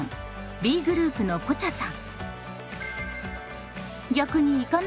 Ｂグループのさくらさん。